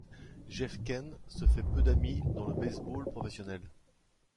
Jeff Kent se fait peu d'amis dans le baseball professionnel.